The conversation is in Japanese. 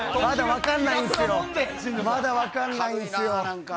まだ分かんないんすよ。